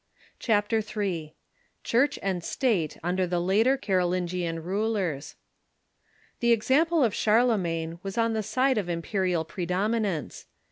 CHAPTER III CHURCH AND STATE UNDER THE LATER CAROLINGIAN RULERS The example of Charlemagne was on the side of imperial predominance.